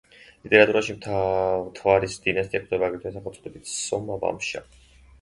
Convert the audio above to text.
ლიტერატურაში მთვარის დინასტია გვხვდება, აგრეთვე, სახელწოდებით „სომა–ვამშა“.